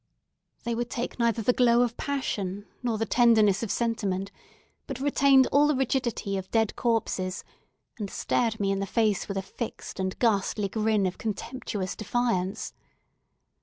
They would take neither the glow of passion nor the tenderness of sentiment, but retained all the rigidity of dead corpses, and stared me in the face with a fixed and ghastly grin of contemptuous defiance.